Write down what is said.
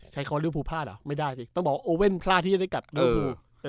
ใช้คำว่าพลาดเหรอไม่ได้สิต้องบอกพลาดที่จะได้กลับเออเออ